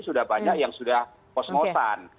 sudah banyak yang sudah kosmosan